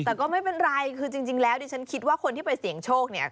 แต่ก็ไม่เป็นไรคือจริงแล้วดิฉันคิดว่าคนที่ไปเสี่ยงโชคเนี่ย